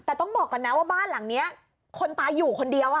แต่ต้องบอกก่อนนะว่าบ้านหลังนี้คนตายอยู่คนเดียว